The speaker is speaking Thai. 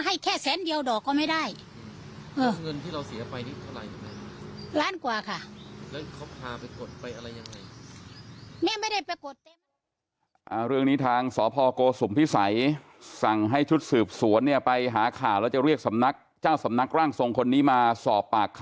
ให้เช่าพระมาห้อยคอหลังสูญเงินไปล้านกว่าบาทที่ดินอีกสองแปลง